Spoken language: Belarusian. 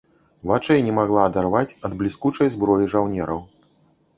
Вачэй не магла адарваць ад бліскучай зброі жаўнераў.